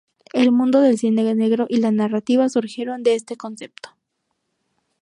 El mundo del cine negro y la narrativa surgieron de este concepto.